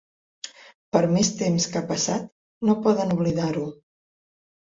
Per més temps que ha passat, no poden oblidar-ho.